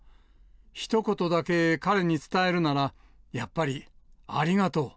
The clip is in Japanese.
ひと言だけ彼に伝えるなら、やっぱり、ありがとう。